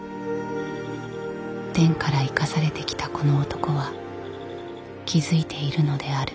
天から生かされてきたこの男は気付いているのである。